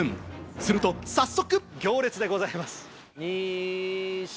すると早速。